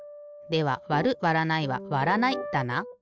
ではわるわらないはわらないだな。